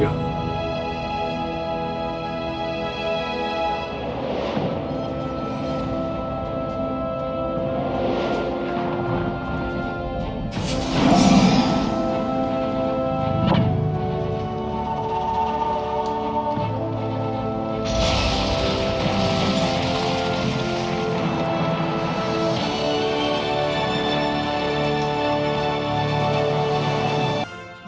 apakah kau bersedia